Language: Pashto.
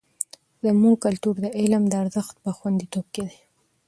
زموږ کلتور د علم د ارزښت په خوندیتوب کې دی.